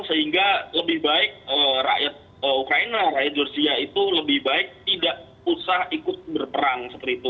sehingga lebih baik rakyat ukraina rakyat georgia itu lebih baik tidak usah ikut berperang seperti itu